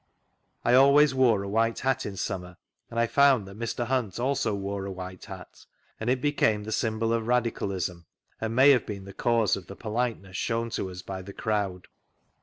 I always wore a white hat in summer, and I found that Mr. Hunt also wore a white hat, and it became the symbcJ of radicalism, and may have been the cause of the politeness shown to us by the crowd.